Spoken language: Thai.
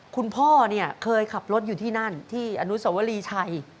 คุณพ่อเนี่ยเคยขับรถอยู่ที่นั่นที่อนุสวรีชัย